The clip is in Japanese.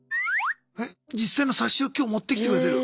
え実際の冊子を今日持ってきてくれてる。